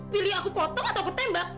pilih aku potong atau aku tembak